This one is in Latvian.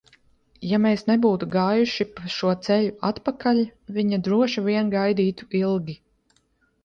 Ja mēs nebūtu gājuši pa šo ceļu atpakaļ, viņa droši vien gaidītu ilgi.